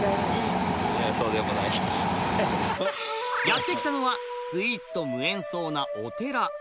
やって来たのはスイーツと無縁そうなお寺